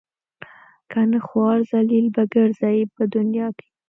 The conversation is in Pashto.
کنه خوار ذلیل به ګرځئ په دنیا کې.